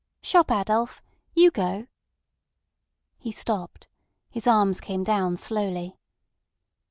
"Shop, Adolf. You go." He stopped, his arms came down slowly.